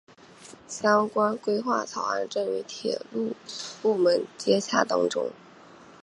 相关规划草案正与铁路部门接洽当中。